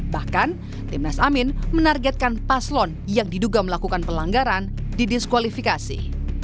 bahkan tim nas amin menargetkan paslon yang diduga melakukan pelanggaran didiskualifikasi